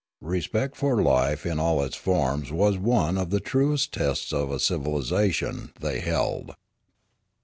Respect for life in all its forms was one of the truest tests of a civilisation, they held.